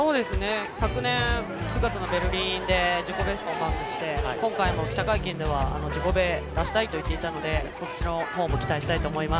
昨年９月のベルリンで自己ベストをマークして今回も記者会見では自己ベ出したいと言っていたのでそっちのほうも期待したいと思います。